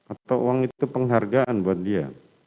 atau uang itu penghargaan buat dia